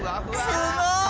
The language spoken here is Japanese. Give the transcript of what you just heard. すごい！